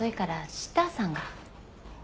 シッターさん。